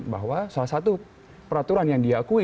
bahwa salah satu peraturan yang diakui